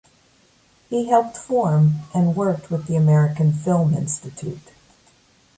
He helped form and worked with the American Film Institute.